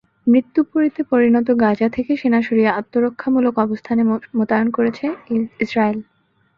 মৃত্যুপুরীতে পরিণত গাজা থেকে সেনা সরিয়ে আত্মরক্ষামূলক অবস্থানে মোতায়েন করেছে ইসরায়েল।